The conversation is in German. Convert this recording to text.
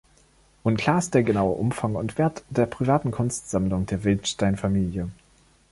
Unklar ist der genaue Umfang und Wert der privaten Kunstsammlung der Wildenstein-Familie.